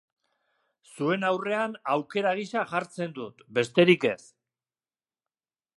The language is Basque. Zuen aurrean aukera gisa jartzen dut, besterik ez.